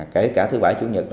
kể cả thứ bảy chủ nhật